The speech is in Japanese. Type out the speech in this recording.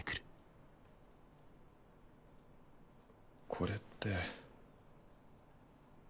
これって。